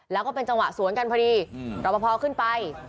แล้วก็เป็นจังหวะสวนกันพอดีรอปภขึ้นไป